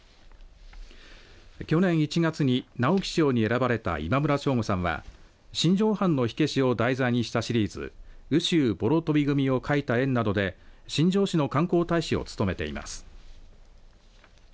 去年１月に直木賞に選ばれた今村翔吾さんは新庄藩の火消しを題材にしたシリーズ羽州ぼろ鳶組を書いた縁などで新庄市の観光大使を務めています。